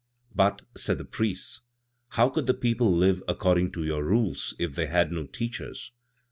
"But," said the priests, "how could the people live according to your rules if they had no teachers?"